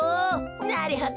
なるほど。